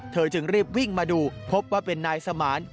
จึงรีบวิ่งมาดูพบว่าเป็นนายสมาน